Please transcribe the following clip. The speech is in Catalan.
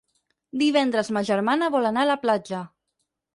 Divendres ma germana vol anar a la platja.